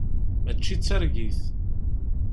Mačči d targit.